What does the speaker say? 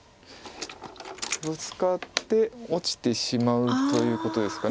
ブツカって落ちてしまうということですか。